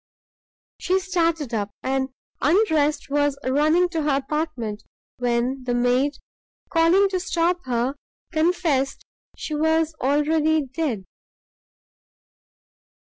She started up, and, undressed, was running to her apartment, when the maid, calling to stop her, confessed she was already dead!